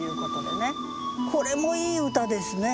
これもいい歌ですね。